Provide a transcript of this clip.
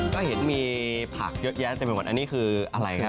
ก็เห็นมีผักเยอะแยะเต็มไปหมดอันนี้คืออะไรครับ